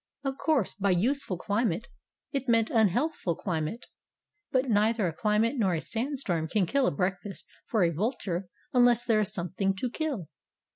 Of course, by useful climate it meant unhealthful climate. But neither a climate nor a sandstorm can kill a breakfast for a vulture unless there is something to kill.